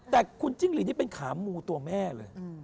แต่คุณจิ้งหลีนี่เป็นขามูตัวแม่เลย